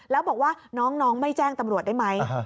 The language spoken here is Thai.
แล้วบอกว่าน้องไม่แจ้งตำรวจได้ไหม